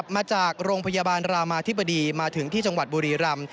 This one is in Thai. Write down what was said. มาจากโรงพยาบาลรามาธิบดีมาถึงที่จังหวัดบุรีรำ